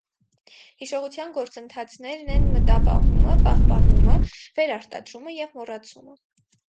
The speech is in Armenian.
Հիշողության գործընթացներն են մտապահումը, պահպանումը, վերարտադրումը և մոռացումը։